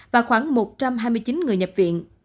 và khoảng một trăm hai mươi chín người nhập viện